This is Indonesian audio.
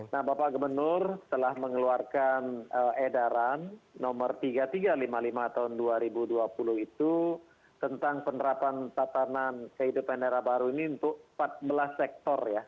nah bapak gubernur telah mengeluarkan edaran nomor tiga ribu tiga ratus lima puluh lima tahun dua ribu dua puluh itu tentang penerapan tatanan kehidupan daerah baru ini untuk empat belas sektor ya